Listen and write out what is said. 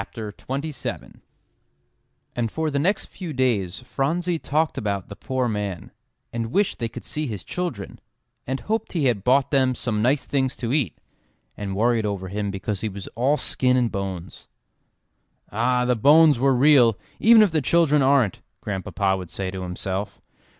EXCLAIMED JASPER And for the next few days Phronsie talked about the poor man, and wished they could see his children, and hoped he had bought them some nice things to eat, and worried over him because he was all skin and bones. "Ah! the bones were real, even if the children aren't," Grandpapa would say to himself.